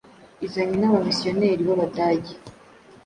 izanywe n’abamisiyoneri b’Abadage.